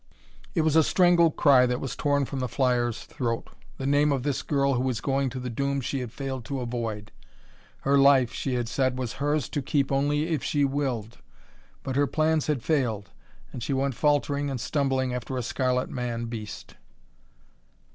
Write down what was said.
It was a strangled cry that was torn from the flyer's throat the name of this girl who was going to the doom she had failed to avoid. Her life, she had said, was hers to keep only if she willed, but her plans had failed, and she went faltering and stumbling after a scarlet man beast.